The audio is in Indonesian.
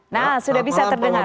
nah sudah bisa terdengar